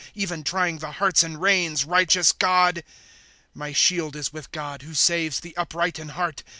Even trying the hearts and reins, Righteous God !^* My shield is with God, Who saves the upright in heart.